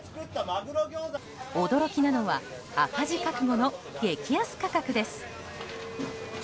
驚きなのは赤字覚悟の激安価格です。